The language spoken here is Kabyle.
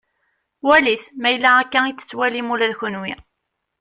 Walit ma yella akka i t-tettwalim ula d kunwi.